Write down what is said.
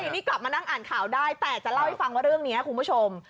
นี่กลับมานั่งอ่านข่าวได้แต่จะเล่าให้ฟังว่าเรื่องนี้คุณผู้ชม